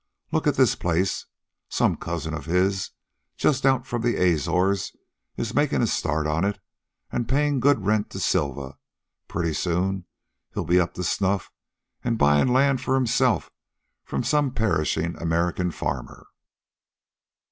Look at this place. Some cousin of his, just out from the Azores, is makin' a start on it, an' payin' good rent to Silva. Pretty soon he'll be up to snuff an' buyin' land for himself from some perishin' American farmer.